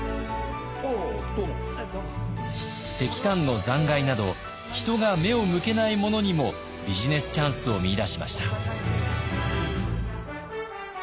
石炭の残骸など人が目を向けないものにもビジネスチャンスを見いだしました。